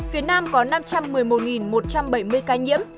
việt nam có năm trăm một mươi một một trăm bảy mươi ca nhiễm